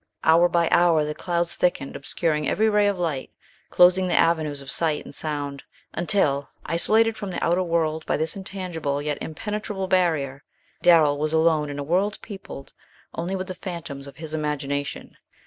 Hour by hour the clouds thickened, obscuring every ray of light, closing the avenues of sight and sound, until, isolated from the outer world by this intangible yet impenetrable barrier, Darrell was alone in a world peopled only with the phantoms of his imagination.